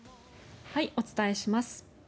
お伝えします。